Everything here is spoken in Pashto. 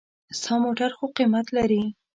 ستا موټر خو قېمت لري.